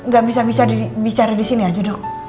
gak bisa bicara disini aja duk